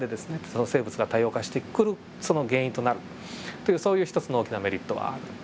その生物が多様化してくるその原因となるというそういう１つの大きなメリットはある。